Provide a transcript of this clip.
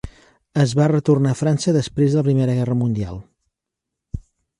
Es va retornar a França després de la Primera Guerra Mundial.